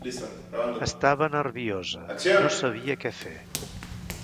Estava nerviosa, no sabia què fer.